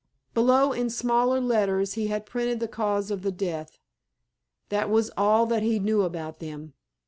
Below in smaller letters he had printed the cause of the death. That was all that he knew about them.